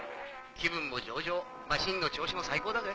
気分も上々マシンの調子も最高だぜ。